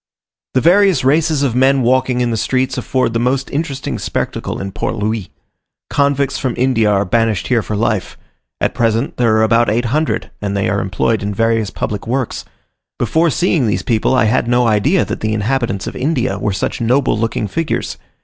The various races of men walking in the streets afford the most interesting spectacle in Port Louis. Convicts from India are banished here for life; at present there are about 800, and they are employed in various public works. Before seeing these people, I had no idea that the inhabitants of India were such noble looking figures.